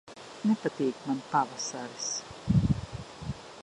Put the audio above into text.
Nepatīk man pavasaris.